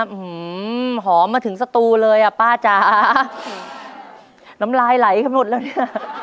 หือหอมมาถึงสตูเลยอ่ะป้าจ๋าน้ำลายไหลกันหมดแล้วเนี่ย